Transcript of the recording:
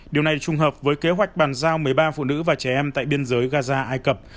điều này trung hợp với kế hoạch bàn giao một mươi ba phụ nữ và trẻ em tại biên giới gaza ai cập